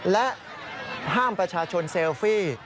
และห้ามประชาชนเซลฟี่